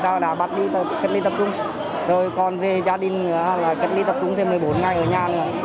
ta đã bắt đi cách ly tập trung rồi còn về gia đình là cách ly tập trung thêm một mươi bốn ngày ở nhà